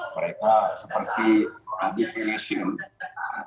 mereka seperti abdi abdi nasyir